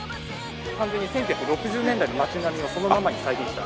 完全に１９６０年代の町並みをそのままに再現した。